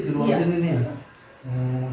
di luar sini ya